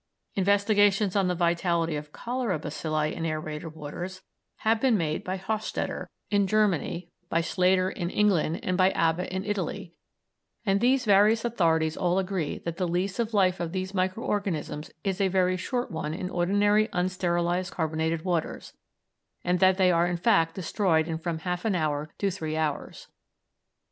Investigations on the vitality of cholera bacilli in aërated waters have been made by Hochstetter in Germany, by Slater in England, and by Abba in Italy, and these various authorities all agree that the lease of life of these micro organisms is a very short one in ordinary unsterilised carbonated waters, and that they are in fact destroyed in from half an hour to three hours.